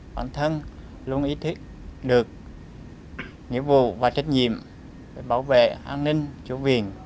bản thân luôn ý thích được nghĩa vụ và trách nhiệm bảo vệ an ninh chỗ viền